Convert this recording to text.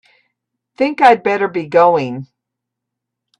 Think I'd better be going.